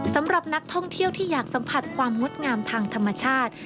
สำหรับนักท่องเที่ยวที่อยากสัมผัสความงดงามทางธรรมชาติ